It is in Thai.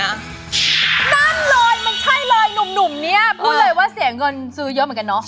นั่นเลยมันใช่เลยหนุ่มเนี่ยพูดเลยว่าเสียเงินซื้อเยอะเหมือนกันเนาะ